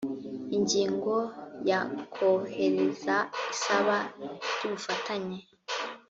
ingingo ya kohereza isaba ry ubufatanye